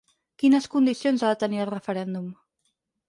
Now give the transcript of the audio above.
Quines condicions ha de tenir el referèndum?